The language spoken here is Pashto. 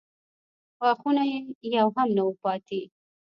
غاښونه یې يو هم نه و پاتې.